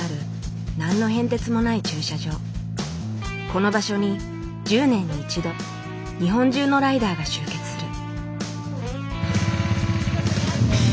この場所に１０年に１度日本中のライダーが集結する。